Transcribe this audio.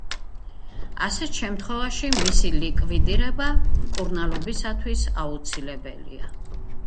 ასეთ შემთხვევაში, მისი ლიკვიდირება მკურნალობისათვის აუცილებელია.